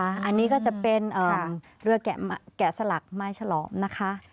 อันนี้ก็จะเป็นเรือแกะสลักไม้ฉลอมนะคะ